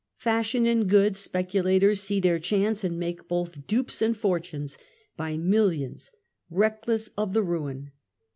Fashion and goods speculators see their chance and make both dupes and fortunes by millions, reckless of the ruin.